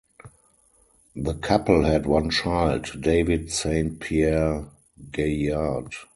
The couple had one child, David Saint Pierre Gaillard.